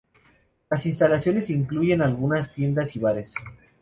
Las instalaciones incluyen algunas tiendas y bares.